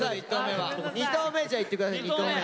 ２投目じゃあいって下さい２投目。